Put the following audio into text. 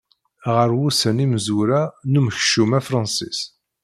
Ɣer wussan imezwura n unekcum afransis.